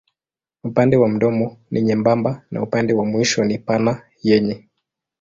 Upande wa mdomo ni nyembamba na upande wa mwisho ni pana yenye.